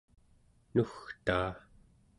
nugtaa